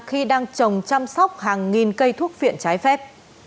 khi đang trồng chăm sóc hàng nghìn cây thuốc viện trái phép